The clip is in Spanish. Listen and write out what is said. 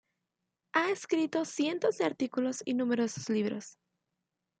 Ha escrito cientos de artículos y numerosos libros.